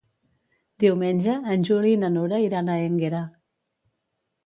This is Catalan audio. Diumenge en Juli i na Nura iran a Énguera.